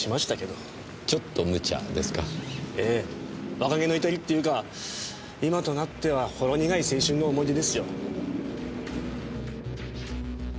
若気の至りっていうか今となってはほろ苦い青春の思い出ですよ。